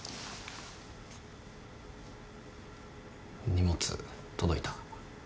荷物届いた。